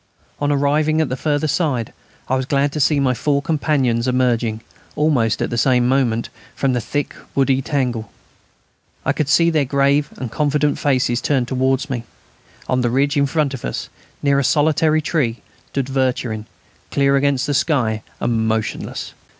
On arriving at the further side I was glad to see my four companions emerging, almost at the same moment, from the thick woody tangle. I could see their grave and confident faces turned towards me. On the ridge in front of us, near a solitary tree, stood Vercherin, clear against the sky and motionless.